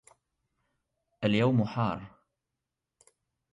اليوم حار